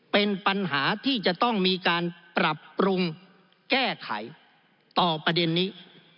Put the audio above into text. เป็นปัญหาที่จะต้องมีการปรับปรุงแก้ไขต่อประเด็นนี้